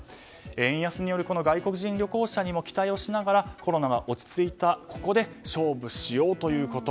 円安による外国人旅行者にも期待をしながらコロナが落ち着いたここで勝負しようということ。